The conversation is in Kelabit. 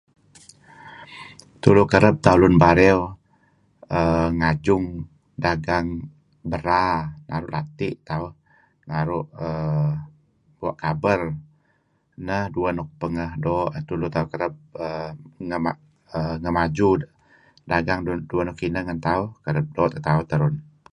Tulu kereb tauh lun Bariu um ngaju dagang bera naru lati tauh naru um bua kaber neh duah nuk pengeh do tulu tauh kereb um neh maju dagang duah nuk ineh ngen tauh kereb do teh tauh